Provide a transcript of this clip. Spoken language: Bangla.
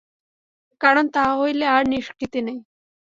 কারণ তাহা হইলে আর নিষ্কৃতি নাই।